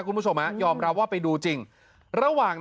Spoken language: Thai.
คุณผู้ชมยอมรับว่าไปดูจริง